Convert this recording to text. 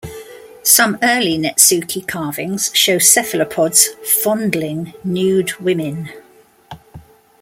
Some early netsuke carvings show cephalopods fondling nude women.